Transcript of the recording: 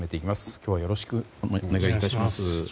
今日はよろしくお願いいたします。